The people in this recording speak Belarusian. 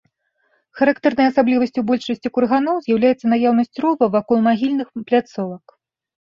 Характэрнай асаблівасцю большасці курганоў з'яўляецца наяўнасць рова вакол магільных пляцовак.